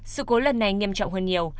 sự cố lần này nghiêm trọng hơn nhiều